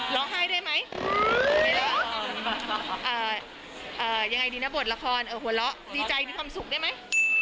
ต้องบทอะไรบทปกติ